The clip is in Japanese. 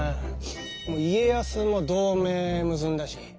家康も同盟結んだし。